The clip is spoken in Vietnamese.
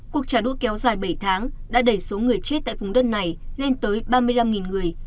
cuộc trả đu kéo dài bảy tháng đã đẩy số người chết tại vùng đất này lên tới ba mươi năm người